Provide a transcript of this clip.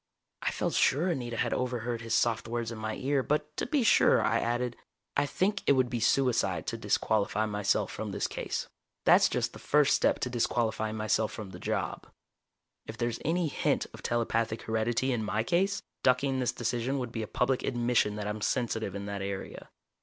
I felt sure Anita had overheard his soft words in my ear, but to be sure, I added, "I think it would be suicide to disqualify myself from this case. That's just the first step to disqualifying myself from the job. If there's any hint of telepathic heredity in my case, ducking this decision would be a public admission that I'm sensitive in that area.